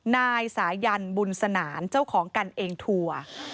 นายสายันบุญสนานเจ้าของกันเองทัวร์